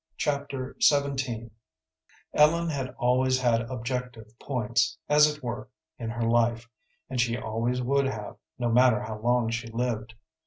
Chapter XVII Ellen had always had objective points, as it were, in her life, and she always would have, no matter how long she lived.